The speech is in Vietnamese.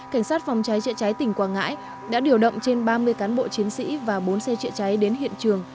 cảnh sát phòng cháy chữa cháy tỉnh quảng ngãi đã điều động trên ba mươi cán bộ chiến sĩ và bốn xe chữa cháy đến hiện trường